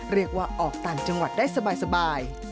เรียกว่าออกต่างจังหวัดได้สบาย